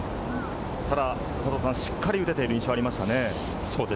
ただしっかり打てている印象がありますね。